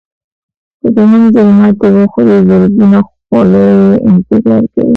که دوهم ځل ماتې وخورئ زرګونه خولې انتظار کوي.